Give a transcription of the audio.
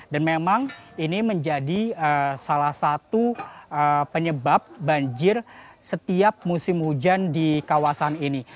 dan memang ini menjadi salah satu penyebab banjir setiap musim hujan di kawasan ini